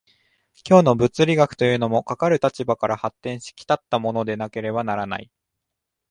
今日の物理学というも、かかる立場から発展し来ったものでなければならない。